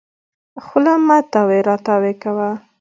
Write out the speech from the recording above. خوله مه تاوې راو تاوې کوه.